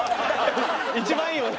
一番いいよね。